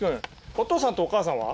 お父さんとお母さんは？